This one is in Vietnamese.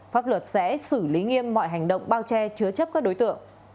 pháp luật sẽ xử lý nghiêm mọi hành động bao che chứa chấp các đối tượng